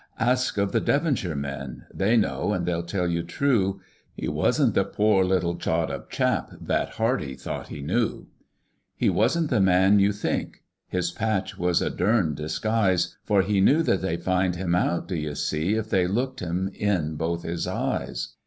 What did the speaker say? "Ask of the Devonshire men! They know, and they'll tell you true; He wasn't the pore little chawed up chap That Hardy thought he knew. "He wasn't the man you think! His patch was a dern disguise! For he knew that they'd find him out, d'you see, If they looked him in both his eyes.